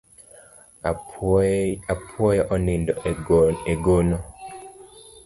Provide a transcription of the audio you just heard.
Apuoyo onindo e gono.